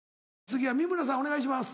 次は美村さんお願いします。